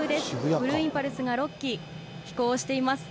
ブルーインパルスが６機、飛行しています。